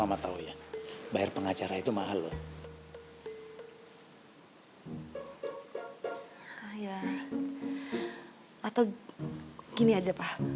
atau gini aja pak